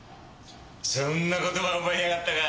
そんな言葉覚えやがったか！